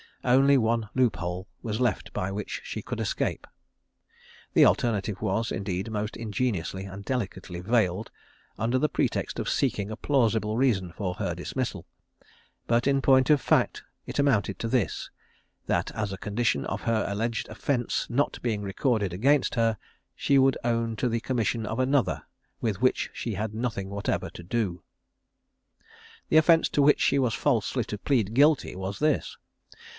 One only loop hole was left by which she could escape. The alternative was, indeed, most ingeniously and delicately veiled under the pretext of seeking a plausible reason for her dismissal; but, in point of fact, it amounted to this, that as a condition of her alleged offence not being recorded against her, she would own to the commission of another with which she had nothing whatever to do. The offence to which she was falsely to plead guilty was this.